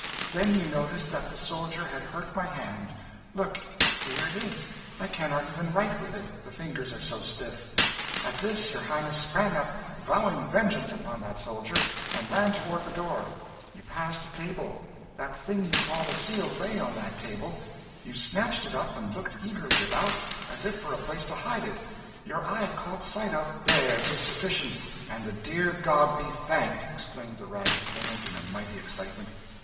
Then you noticed that the soldier had hurt my hand look! here it is, I cannot yet even write with it, the fingers are so stiff. At this your Highness sprang up, vowing vengeance upon that soldier, and ran towards the door you passed a table that thing you call the Seal lay on that table you snatched it up and looked eagerly about, as if for a place to hide it your eye caught sight of " "There, 'tis sufficient! and the good God be thanked!" exclaimed the ragged claimant, in a mighty excitement.